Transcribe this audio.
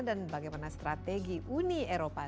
dan bagaimana strategi uni eropa